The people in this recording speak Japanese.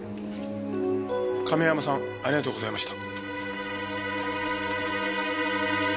亀山さんありがとうございました。